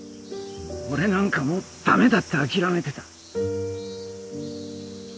俺なんかもうダメだって諦めてた。